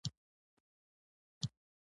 خوړل باید د شکر سره وي